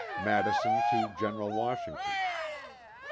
Madison to General Washington.